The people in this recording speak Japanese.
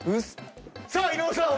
さあ伊野尾さん